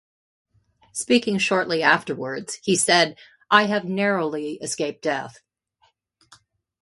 Speaking shortly afterwards, he said "I have narrowly escaped death."